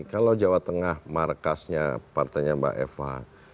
kalau jawa tengah markasnya partainya mbak eva